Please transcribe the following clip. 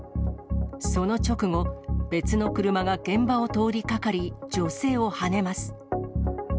その直後、別の車が現場を通りかかり、女性をはねます。